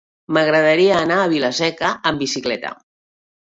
M'agradaria anar a Vila-seca amb bicicleta.